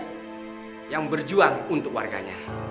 yang baik yang berjuang untuk warganya